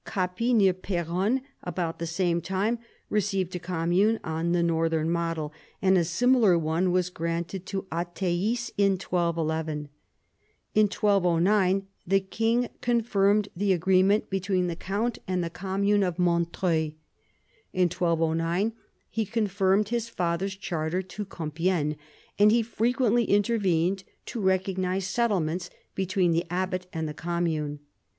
Cappi, near Peronne, about the same time received a commune on the northern model, and a similar one was granted to Athies in 1211. In 1209 the king confirmed the agreement between the count and the commune of v THE ADVANCE OF THE MONARCHY 147 Montreuil. In 1209 he confirmed his father's charter to Compi&gne, and he frequently intervened to recognise settlements between the abbat and the commune.